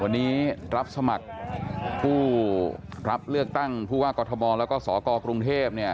วันนี้รับสมัครผู้รับเลือกตั้งผู้ว่ากอทมแล้วก็สกกรุงเทพเนี่ย